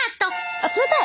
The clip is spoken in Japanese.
あっ冷たい！